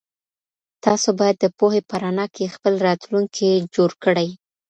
تاسو بايد د پوهي په رڼا کي خپل راتلونکی جوړ کړئ.